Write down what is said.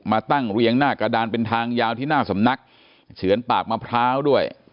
ตั้งเรียงหน้ากระดานเป็นทางยาวที่หน้าสำนักเฉือนปากมะพร้าวด้วย